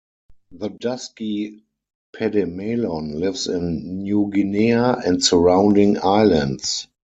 The dusky pademelon lives in New Guinea and surrounding islands.